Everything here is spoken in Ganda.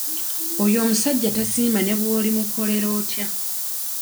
Oyo omusajja tasiima ne bw'olimukolera otya.